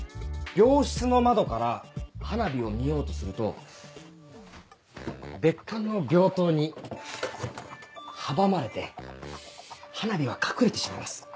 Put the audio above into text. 病室の窓から花火を見ようとすると別館の病棟に阻まれて花火は隠れてしまいます。